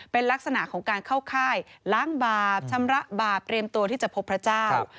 เป็นลักษณะของการเข้าค่ายล้างบาปชำระบาปเตรียมตัวที่จะพบพระเจ้า